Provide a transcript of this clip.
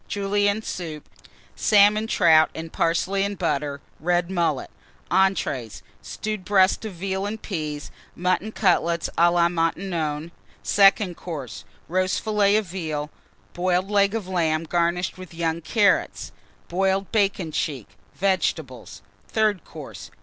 Julienne Soup. Salmon Trout and Parsley and Butter. Red Mullet. ENTREES. Stewed Breast of Veal and Peas. Mutton Cutlets à la Maintenon. SECOND COURSE. Roast Fillet of Veal. Boiled Leg of Lamb, garnished with young Carrots. Boiled Bacon cheek. Vegetables. THIRD COURSE.